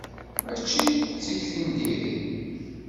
Mačči d tikti n diri.